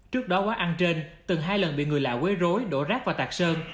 trước đó quán ăn trên từng hai lần bị người lạ quấy rối đổ rác và tạc sơn